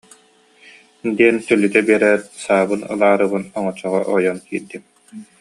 диэн төлүтэ биэрээт, саабын ылаарыбын оҥочоҕо ойон киирдим